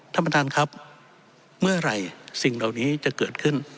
ท่านประธานครับเมื่อไหร่สิ่งเหล่านี้จะเกิดขึ้น